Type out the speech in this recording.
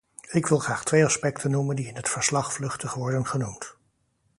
Ik wil graag twee aspecten noemen die in het verslag vluchtig worden genoemd.